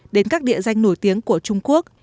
đến các địa danh nổi tiếng của trung quốc